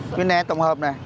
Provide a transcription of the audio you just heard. nguyên nén tổng hợp này